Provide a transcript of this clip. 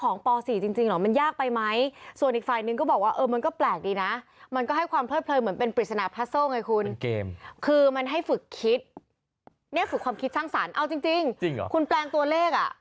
นี่ฝึกความคิดสร้างสรรค์เอาจริงคุณแปลงตัวเลข